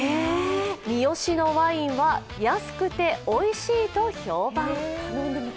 三次のワインは安くておいしいと評判。